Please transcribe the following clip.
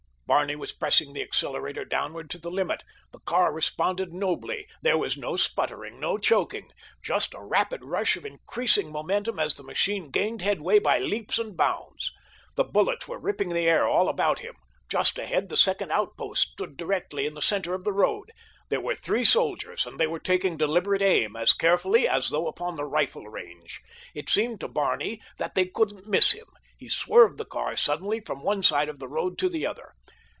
Barney was pressing the accelerator downward to the limit. The car responded nobly—there was no sputtering, no choking. Just a rapid rush of increasing momentum as the machine gained headway by leaps and bounds. The bullets were ripping the air all about him. Just ahead the second outpost stood directly in the center of the road. There were three soldiers and they were taking deliberate aim, as carefully as though upon the rifle range. It seemed to Barney that they couldn't miss him. He swerved the car suddenly from one side of the road to the other.